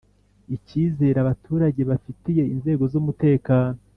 Icyizere abaturage bafitiye inzego z’umutekano